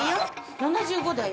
７５だよ。